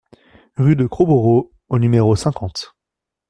Rue de Crowborough au numéro cinquante